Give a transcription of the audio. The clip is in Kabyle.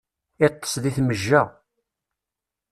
Iṭṭes di tmejja.